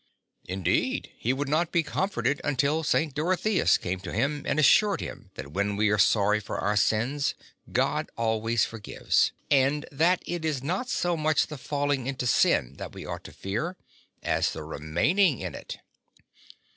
Indeed he would not be comforted until St. Dorotheus came to him and assured him that when we are sorry for our sins God always forgives, and that it is not so much the falling into sin that we ought to fear as the remaining in it.